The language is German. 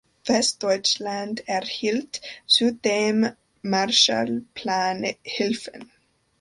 Westdeutschland erhielt zudem Marshallplan-Hilfen.